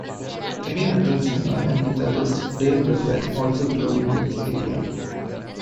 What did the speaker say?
Heavy metal singer and guitarist Dave Reffett also grew up near this area.